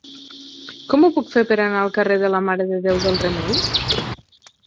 Com ho puc fer per anar al carrer de la Mare de Déu del Remei?